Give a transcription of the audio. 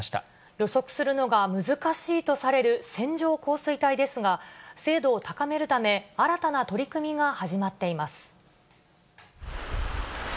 予測するのが難しいとされる線状降水帯ですが、精度を高めるため、新たな取り組みが始まっています。